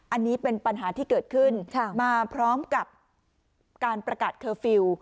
อันนี้เป็นปัญหาที่เกิดขึ้นมาพร้อมกับการประกาศเคอร์ฟิลล์